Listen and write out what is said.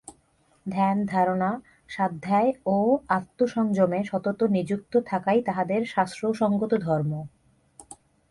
ধ্যান, ধারণা, স্বাধ্যায় ও আত্মসংযমে সতত নিযুক্ত থাকাই তাঁহাদের শাস্ত্রসঙ্গত ধর্ম।